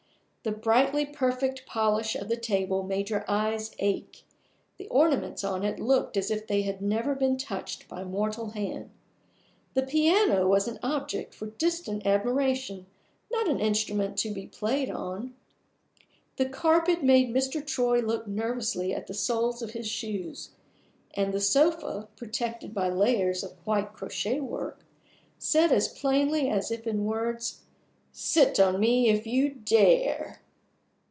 The brightly perfect polish of the table made your eyes ache; the ornaments on it looked as if they had never been touched by mortal hand; the piano was an object for distant admiration, not an instrument to be played on; the carpet made Mr. Troy look nervously at the soles of his shoes; and the sofa (protected by layers of white crochet work) said as plainly as if in words, "Sit on me if you dare!"